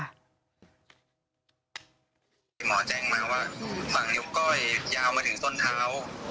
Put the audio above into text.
ที่หมอแจ้งมาว่าฝั่งนิ้วก้อยยาวมาถึงต้นเท้า